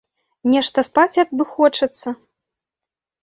Нешта спаць як бы хочацца.